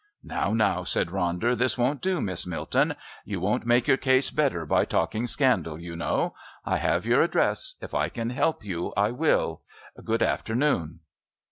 "Now, now," said Ronder. "This won't do, Miss Milton. You won't make your case better by talking scandal, you know. I have your address. If I can help you I will. Good afternoon."